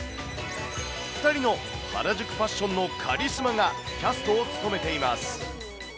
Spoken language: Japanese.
２人の原宿ファッションのカリスマがキャストを務めています。